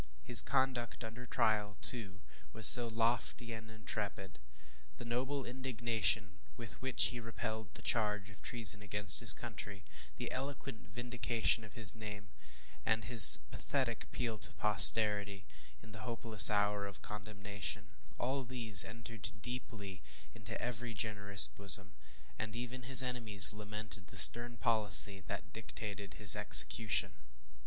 His conduct under trial, too, was so lofty and intrepid. The noble indignation with which he repelled the charge of treason against his country the eloquent vindication of his name and his pathetic appeal to posterity, in the hopeless hour of condemnation, all these entered deeply into every generous bosom, and even his enemies lamented the stern policy that dictated his execution.